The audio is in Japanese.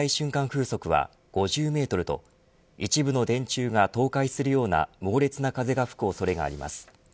風速は５０メートルと一部の電柱が倒壊するような猛烈な風が吹く恐れがあります。